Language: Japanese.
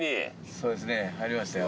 そうですね入りましたよ。